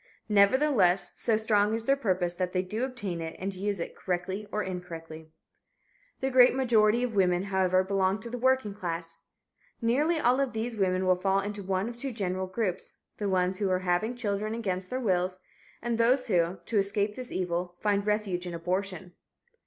Nevertheless, so strong is their purpose that they do obtain it and use it, correctly or incorrectly. The great majority of women, however, belong to the working class. Nearly all of these women will fall into one of two general groups the ones who are having children against their wills, and those who, to escape this evil, find refuge in abortion.